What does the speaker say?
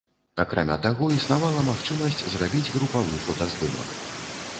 Акрамя таго, існавала магчымасць зрабіць групавы фотаздымак.